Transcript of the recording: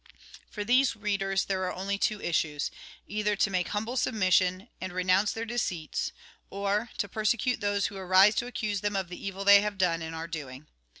For these readers there are only two issues : either to make humble submission, and renounce their deceits ; or, to persecute those who arise to accuse them of the evil they have done and are doing.